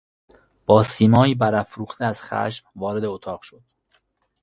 با سیمایی برافروخته از خشم وارد اتاق شد.